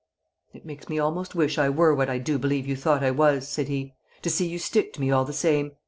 "It makes me almost wish I were what I do believe you thought I was," said he, "to see you stick to me all the same!